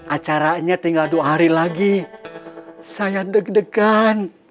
acaranya tinggal dua hari lagi saya deg degan